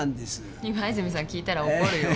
今泉さん聞いたら怒るよ。